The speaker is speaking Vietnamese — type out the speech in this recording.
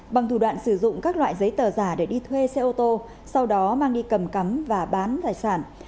bằng thủ đoạn sử dụng các loại giấy tờ giả để đi thuê xe ô tô sau đó mang đi cầm cắm và bán tài sản